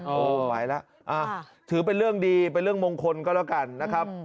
โอ้โหไหวแล้วถือเป็นเรื่องดีเป็นเรื่องมงคลก็แล้วกันนะครับ